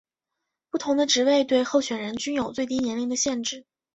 不同的职位对候选人均有最低年龄的限制。